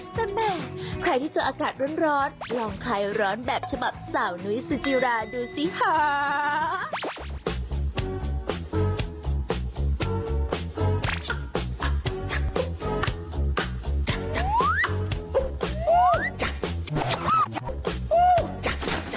ก็แม่ใครที่เจออากาศร้อนร้อนลองคลายร้อนแบบฉบับสาวนุ้ยซูจิราดูซิฮ่า